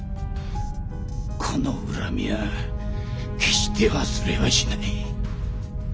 この恨みは決して忘れはしない！